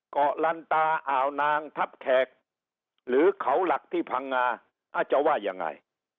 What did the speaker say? เกาะลันตาอ่าวนางทับแขกหรือเขาหลักที่พังงาอาจจะว่ายังไง